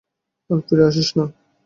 আর ফিরে আসিস না!